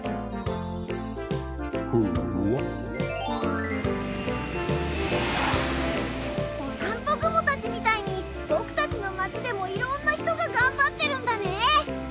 おさんぽ雲たちみたいに僕たちの街でもいろんな人が頑張ってるんだね。